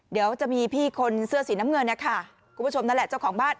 เดี๋ยวจะมีพี่คนเสื้อสีน้ำเงินนะคะคุณผู้ชมนั่นแหละเจ้าของบ้าน